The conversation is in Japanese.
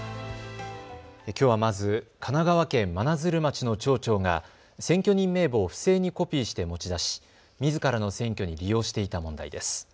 きょうはまず、神奈川県真鶴町の町長が選挙人名簿を不正にコピーして持ち出しみずからの選挙に利用していた問題です。